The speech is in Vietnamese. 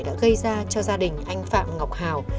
đã gây ra cho gia đình anh phạm ngọc hào